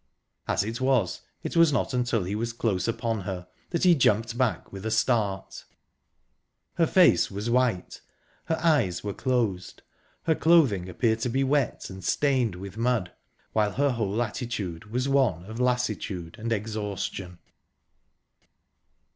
As it was, it was not until he was close upon her that he jumped back with a start...Her face was white, her eyes were closed, her clothing appeared to be wet and stained with mud, while her whole attitude was one of lassitude and exhaustion.